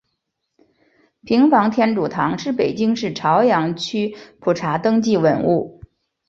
平房天主堂是北京市朝阳区普查登记文物。